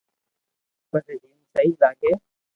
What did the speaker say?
پسو جيم سھي لاگي